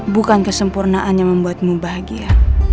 bukan kesempurnaan yang membuatmu bahagia